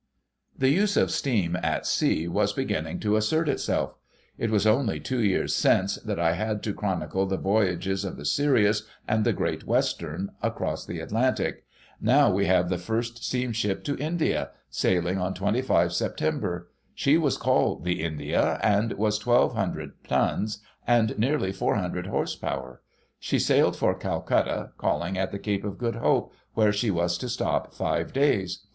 The use of steam at sea was beginning to assert itself. It was only two years since, that I had to chronicle the voyages of the Sirius and the Great Western across the Atlantic — now we have the first steamship to India, sailing on 25 Sep. She was called The India, and was 1,200 tons and nearly 400 horse power. She sailed for Calcutta, calling at the Cape of Good Hope, where she was to stop five days.